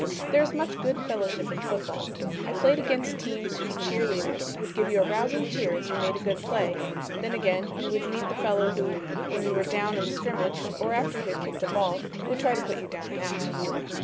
"There is much good fellowship in football. I played against teams whose cheer leaders would give you a rousing cheer as you made a good play; then again you would meet the fellow who, when you were down in the scrimmage, or after you had kicked the ball, would try to put you down and out.